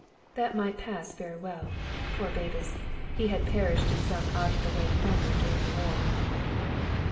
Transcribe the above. (That might pass very well. Poor Bebus! he had perished in some out of the way corner during the war.)